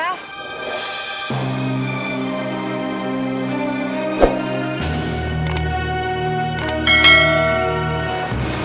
aku harus impater